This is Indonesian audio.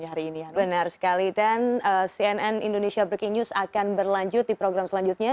hari ini ya benar sekali dan cnn indonesia breaking news akan berlanjut di program selanjutnya